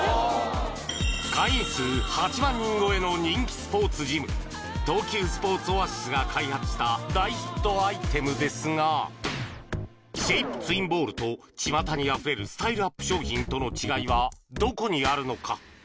会員数８万人超えの人気スポーツジム東急スポーツオアシスが開発した大ヒットアイテムですがシェイプツインボールとちまたにあふれるスタイルアップ商品との違いはどこにあるのか？